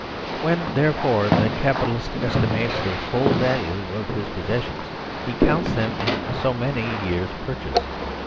When, therefore, the Capitalist estimates the full value of his possessions, he counts them in "so many years' pur chase."